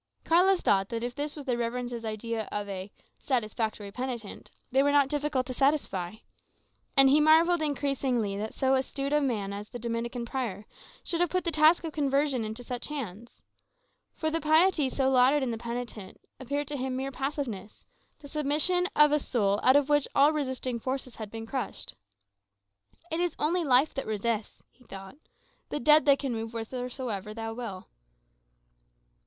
Carlos thought that if this was their reverences' idea of "a satisfactory penitent," they were not difficult to satisfy. And he marvelled increasingly that so astute a man as the Dominican prior should have put the task of his conversion into such hands. For the piety so lauded in the penitent appeared to him mere passiveness the submission of a soul out of which all resisting forces had been crushed. "It is only life that resists," he thought; "the dead they can move whithersoever they will."